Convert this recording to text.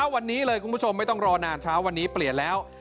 วันนี้เลยคุณผู้ชมไม่ต้องรอนานเช้าวันนี้เปลี่ยนแล้ว